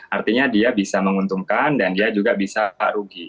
artinya dia bisa menguntungkan dan dia juga bisa rugi